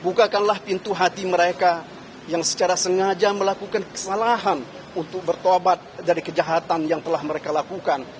bukakanlah pintu hati mereka yang secara sengaja melakukan kesalahan untuk bertobat dari kejahatan yang telah mereka lakukan